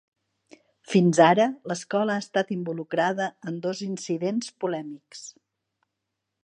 Fins ara, l'escola ha estat involucrada en dos incidents polèmics.